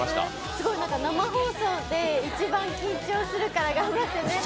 すごい、生放送で一番緊張するから頑張ってねって。